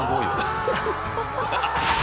ハハハハ！